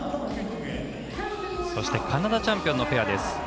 そしてカナダチャンピオンのペア。